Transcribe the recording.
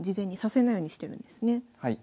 はい。